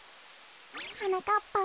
はなかっぱん。